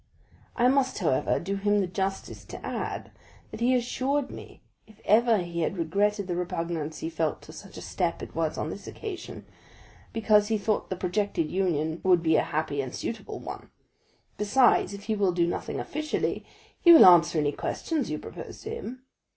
I must, however, do him the justice to add that he assured me if ever he had regretted the repugnance he felt to such a step it was on this occasion, because he thought the projected union would be a happy and suitable one. Besides, if he will do nothing officially, he will answer any questions you propose to him.